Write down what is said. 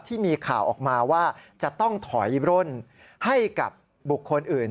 ที่มีข่าวออกมาว่าจะต้องถอยร่นให้กับบุคคลอื่น